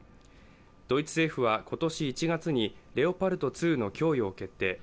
ドイツ政府は今年１月にレオパルト２の供与を決定。